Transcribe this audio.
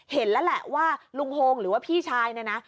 เห็นแล้วแหละว่าลุงโฮงหรือว่าพี่ชายเนี่ยนะ